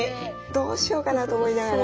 どうしようかなと思いながら。